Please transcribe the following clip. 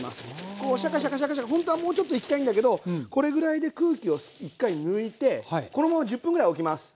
こうシャカシャカシャカシャカほんとはもうちょっといきたいんだけどこれぐらいで空気を一回抜いてこのまま１０分ぐらいおきます。